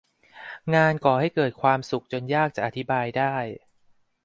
งานก่อให้เกิดความสุขจนยากจะอธิบายได้